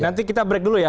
nanti kita break dulu ya